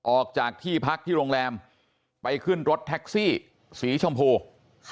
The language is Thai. ออกจากที่พักที่โรงแรมไปขึ้นรถแท็กซี่สีชมพู